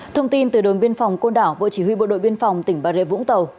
thông tin từ đồn biên phòng côn đảo bộ chỉ huy bộ đội biên phòng tỉnh bà rệ vũng tàu